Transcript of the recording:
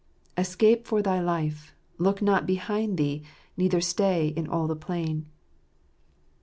" Escape for thy life ; look not behind thee, neither stay in all the plain."